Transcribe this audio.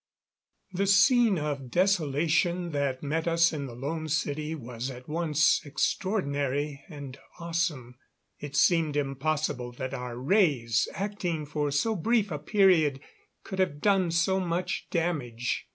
The scene of desolation that met us in the Lone City was at once extraordinary and awesome. It seemed impossible that our rays, acting for so brief a period, could have done so much damage.